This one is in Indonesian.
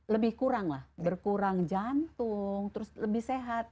lebih kurang lah berkurang jantung terus lebih sehat